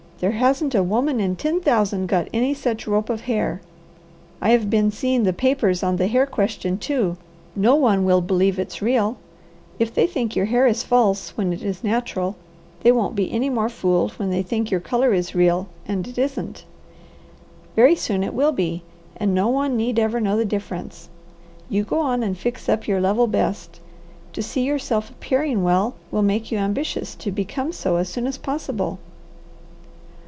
"There hasn't a woman in ten thousand got any such rope of hair. I have been seeing the papers on the hair question, too. No one will believe it's real. If they think your hair is false, when it is natural, they won't be any more fooled when they think your colour is real, and it isn't. Very soon it will be and no one need ever know the difference. You go on and fix up your level best. To see yourself appearing well will make you ambitious to become so as soon as possible."